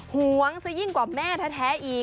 หวงซะยิ่งกว่าแม่แท้อีก